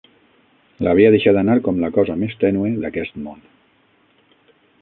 L’havia deixat anar com la cosa més tènue d'aquest món.